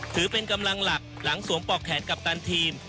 ถือเป็นกำลังหลักหลังสวมปอกแขนกัปตันทีม